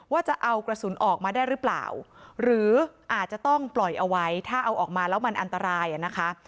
ว่าจะเอากระสุนออกมาได้หรือเปล่าหรืออาจจะต้องปล่อยเอาไว้ถ้าเอาออกมาแล้วมันอันตรายอ่ะนะคะ